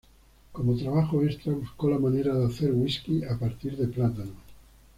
Como trabajo extra, buscó la manera de hacer whisky a partir de plátanos.